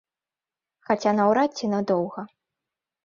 Хаця наўрад ці надоўга.